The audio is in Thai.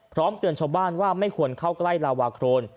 เตือนชาวบ้านว่าไม่ควรเข้าใกล้ลาวาโครน